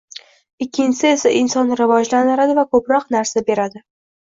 Ikkinchisi esa insonni rivojlantiradi va koʻproq narsa beradi.